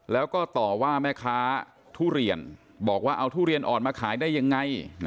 แล้วก็ต่อว่าแม่ค้าทุเรียนบอกว่าเอาทุเรียนอ่อนมาขายได้ยังไง